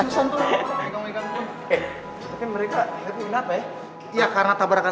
jadi gue ikutan juga